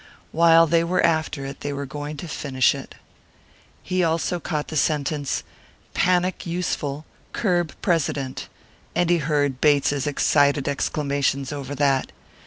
While they were after it, they were going to finish it. Also he caught the sentence, "Panic useful, curb President!" And he heard Bates's excited exclamations over that.